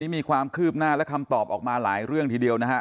มีความคืบหน้าและคำตอบออกมาหลายเรื่องทีเดียวนะฮะ